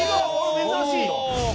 珍しいよ。